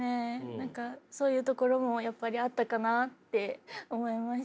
何かそういうところもやっぱりあったかなって思いました。